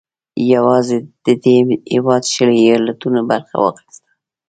یوازې د دې هېواد شلي ایالتونو برخه واخیسته.